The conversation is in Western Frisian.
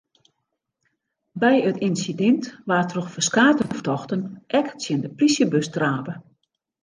By it ynsidint waard troch ferskate fertochten ek tsjin de plysjebus trape.